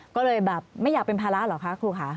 ก็เลยแบบไม่อยากเป็นภาระเหรอคะครูค่ะ